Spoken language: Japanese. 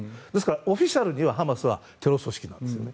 オフィシャルにはハマスはテロ組織なんですよね。